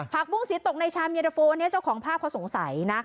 ผักบุ้งสีตกในชามเย็นตะฟูเนี่ยเจ้าของภาพเขาสงสัยนะ